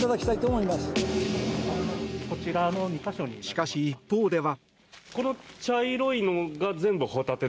しかし、一方では。